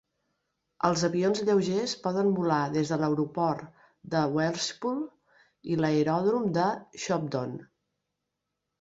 Els avions lleugers poden volar des de l'aeroport de Welshpool i l'aeròdrom de Shobdon.